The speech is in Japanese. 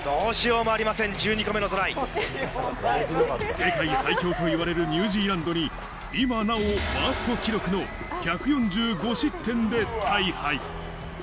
世界最強といわれるニュージーランドに今なおワースト記録の１４５失点で大敗。